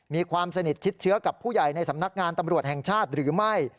มีความสนิทชิดเชื้อกับผู้ใหญ่ในสำนักงานตำรวจแห่งชาติหรือไม่